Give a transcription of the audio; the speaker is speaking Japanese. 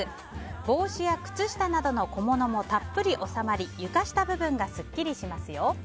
帽子や靴下などの小物もたっぷり収まり床下部分がスッキリしますよ。